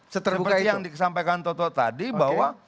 seperti yang disampaikan toto tadi bahwa